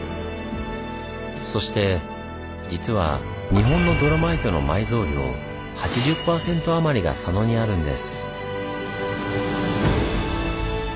そして実は日本のドロマイトの埋蔵量８０％あまりが佐野にあるんです。